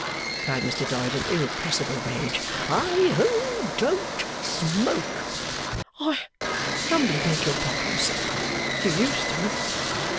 cried Mr Dorrit, in irrepressible rage. 'I hum don't smoke.' 'I humbly beg your pardon, sir. You used to.